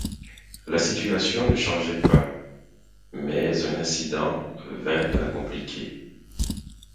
La situation ne changeait pas, mais un incident vint la compliquer.